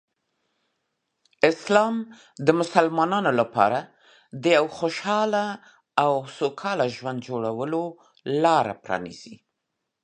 اسلام د مسلمانانو لپاره د یو خوشحال او سوکاله ژوند جوړولو لاره پرانیزي.